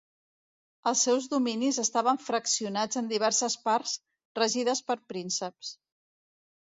Els seus dominis estaven fraccionats en diverses parts regides per prínceps.